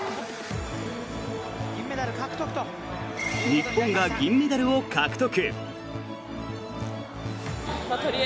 日本が銀メダルを獲得。